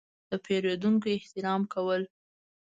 – د پېرودونکو احترام کول.